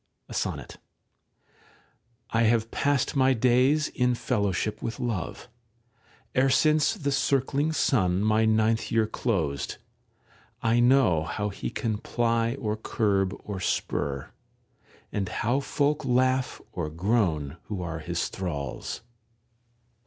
[Sonnet.] [I have passed my days in fellowship with Love E'er since the circling Sun my ninth year closed ; I know how he can ply or curb or spur, And how folk laugh or groan who are his thralls.